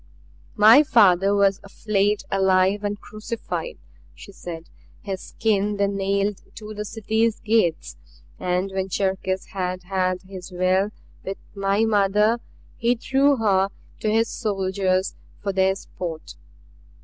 "My father was flayed alive and crucified," she said. "His skin they nailed to the City's gates. And when Cherkis had had his will with my mother he threw her to his soldiers for their sport.